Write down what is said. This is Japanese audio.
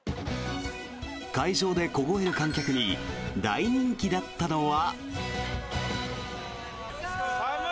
会場で凍える観客に大人気だったのは。